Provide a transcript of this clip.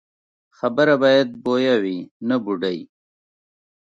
خبره باید بویه وي، نه بوډۍ.